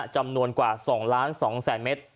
จำนวนกว่า๒๒๐๐๐เมตร